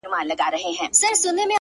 • ښكلي چي گوري؛ دا بيا خوره سي؛